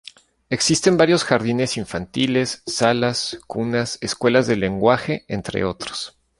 Existen varios jardines infantiles, salas cunas, escuelas de lenguaje, entre otros.